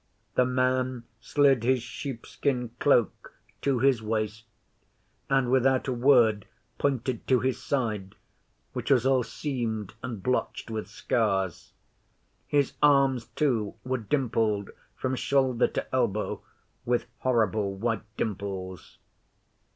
The man slid his sheepskin cloak to his waist, and without a word pointed to his side, which was all seamed and blotched with scars. His arms, too, were dimpled from shoulder to elbow with horrible white dimples.